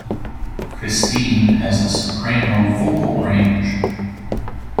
Kristine has a soprano vocal range.